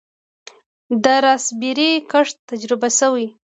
د راسبیري کښت تجربه شوی؟